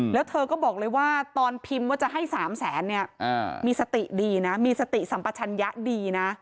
แล้วเธอก็บอกเลยว่าตอนพิมพ์ว่าจะให้๓แสนเนี่ยมีสติดีนะมีสติสัมปัชญะดีนะ